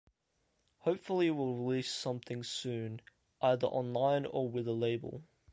Hopefully we'll release something soon, either online or with a label.